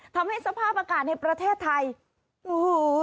ทำให้สภาพอากาศในประเทศไทยโอ้โห